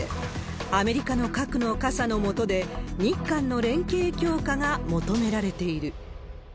アメリカの核の傘の下で、日韓の連携強化が求められている。